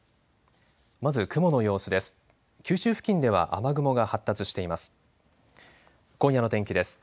まず雲の様子です。